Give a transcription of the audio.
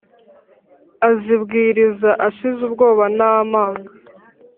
azibwiriza ashize ubwoba na manga